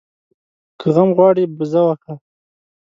که غم غواړې ، بزه وکه.